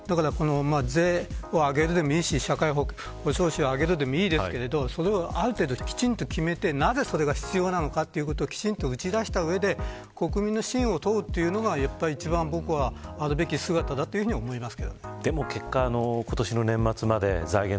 税を上げるでも社会保障費も上げるでもいいですがそれをある程度決めて、なぜそれが必要なのかということをきちんと打ち出した上で国民の真意を問うというのが一番あるべき姿だと思います。